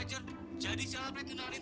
ya udah yang penting